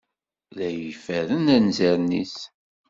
La iferren anzaren-is.